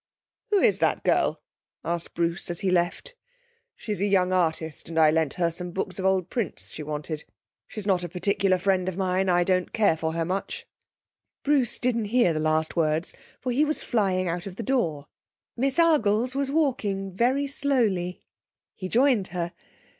'Who is that girl?' asked Bruce, as he left. 'She's a young artist, and I lent her some books of old prints she wanted. She's not a particular friend of mine I don't care for her much.' Bruce didn't hear the last words, for he was flying out of the door. Miss Argles was walking very slowly; he joined her.